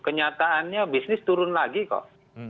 kenyataannya bisnis turun lagi kok